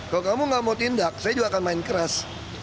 kalau kamu gak mau tindak saya juga akan main keras